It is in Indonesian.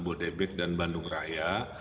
bodebek dan bandung raya